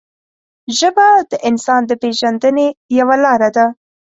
ژبه د انسان د پېژندنې یوه لاره ده